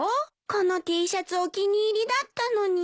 このＴシャツお気に入りだったのに。